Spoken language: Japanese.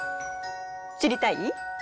知りたい？